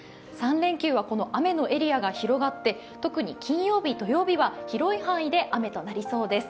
３連休は、この雨のエリアが広がって、特に金曜日、土曜日は広い範囲で雨となりそうです。